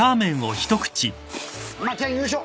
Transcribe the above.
まっちゃん優勝。